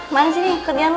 mana sih nih kegiatan lo